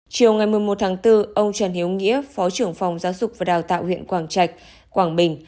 chiều ngày một mươi một tháng bốn ông trần hiếu nghĩa phó trưởng phòng giáo dục và đào tạo huyện quảng trạch quảng bình